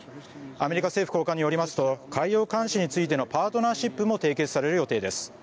アメリカ政府高官によりますと海洋監視におけるパートナーシップも締結される予定です。